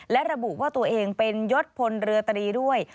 และระบุว่าตัวเองเป็นยศพลเรือตรีด้วย